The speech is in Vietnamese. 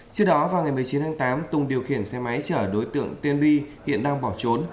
trước đó vào ngày một mươi chín tháng tám tùng điều khiển xe máy chở đối tượng tiên bi hiện đang bỏ trốn